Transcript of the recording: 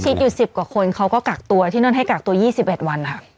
ใกล้ยสิบกว่าคนเค้ากักตัวให้กักตัว๒๑วันค่ะ